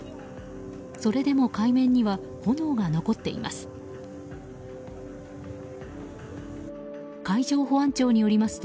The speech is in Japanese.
それでも海面には炎が残っています。